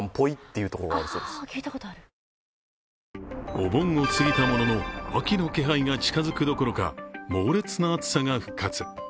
お盆を過ぎたものの秋の気配が近づくどころか猛烈な暑さが復活。